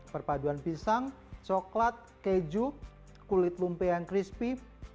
perpaduan pisang coklat keju kulit lumpe yang crispy